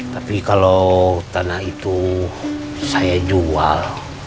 tapi kalau tanah itu saya jual